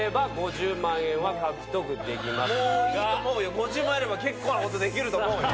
５０万円あれば結構なことできると思うよ。